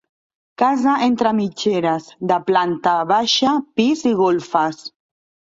Casa entre mitgeres de planta baixa, pis i golfes.